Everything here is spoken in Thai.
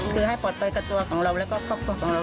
คือให้ปลอดภัยกับตัวของเราแล้วก็ครอบครัวของเรา